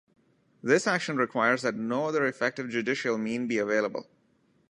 This action requires that no other effective judicial mean be available.